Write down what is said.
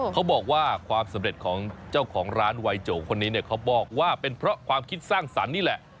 เขาบอกว่าความสำเร็จของเจ้าของร้านวัยโจคนนี้เนี่ยเขาบอกว่าเป็นเพราะความคิดสร้างสรรค์นี่แหละ